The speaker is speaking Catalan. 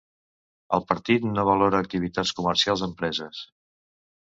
El partit no valora activitats comercials empreses.